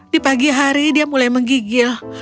di pagi hari dia mulai menggigil